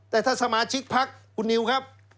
แต่ถ้าสมาชิกพักคุณนิวครับ